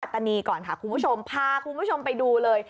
ตานีก่อนค่ะคุณผู้ชมพาคุณผู้ชมไปดูเลย